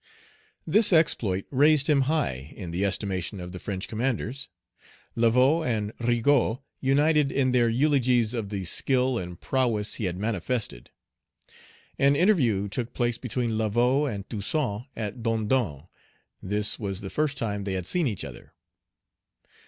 This exploit raised him high in the estimation of the French commanders. Laveaux and Rigaud united in their eulogies of the skill and prowess he had manifested. An interview took place between Laveaux and Toussaint at Dondon. This was the first time they had seen each other.